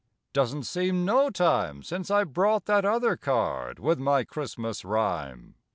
Doesn't seem no time Since I brought that other card With my Christmas rhyme.